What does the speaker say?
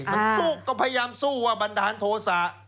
มันสู้ก็พยายามสู้ว่าบันดาลโทษะ